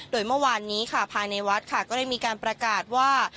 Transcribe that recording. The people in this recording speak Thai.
โดยเมื่อวานนี้ค่ะภายในวัดค่ะก็ได้มีการประกาศว่า